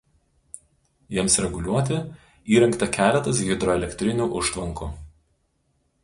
Jiems reguliuoti įrengta keletas hidroelektrinių užtvankų.